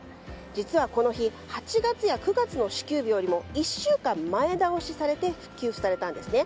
実は、この日８月や９月の支給日よりも１週間前倒しされて給付されたんです。